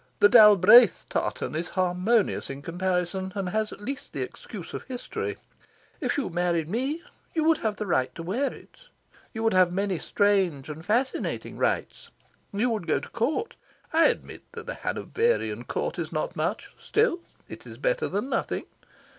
The Dalbraith tartan is harmonious in comparison, and has, at least, the excuse of history. If you married me, you would have the right to wear it. You would have many strange and fascinating rights. You would go to Court. I admit that the Hanoverian Court is not much. Still, it is better than nothing.